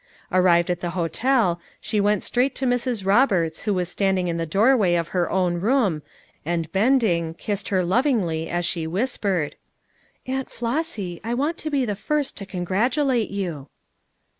Arrived at the hotel, she went straight to Mrs. Roberts who was standing in the doorway of her own room, and bending, kissed her lovingly as she whispered: "Aunt Flossy, I want to be the first to con gratulate you."